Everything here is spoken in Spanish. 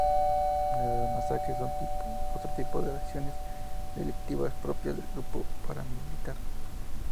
Las masacres son otro tipo de acciones delictivas propias del grupo paramilitar.